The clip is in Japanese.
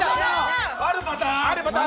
あるパターン！